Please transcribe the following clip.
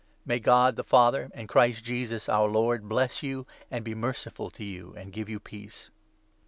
May God, the Father, and Christ Jesus, our Lord, bless you, and be merciful to you, and give you peace.